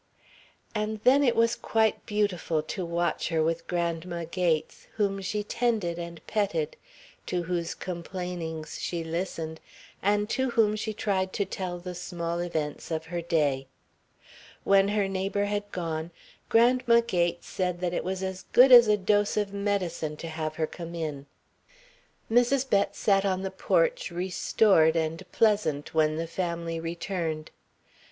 And then it was quite beautiful to watch her with Grandma Gates, whom she tended and petted, to whose complainings she listened, and to whom she tried to tell the small events of her day. When her neighbour had gone, Grandma Gates said that it was as good as a dose of medicine to have her come in. Mrs. Bett sat on the porch restored and pleasant when the family returned.